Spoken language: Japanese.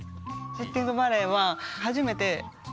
「シッティングバレー」は初めてうわ。